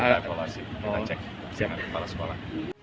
tawuran yang diperlukan oleh kepala sekolah